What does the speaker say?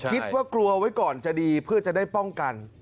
คิดว่ากลัวไว้ก่อนจะดีเพื่อจะได้ป้องกัน